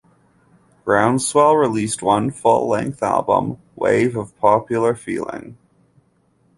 Groundswell released one full-length album, "Wave of Popular Feeling".